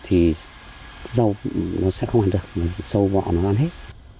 thì rau nó sẽ không ăn được sâu vọ nó ăn hết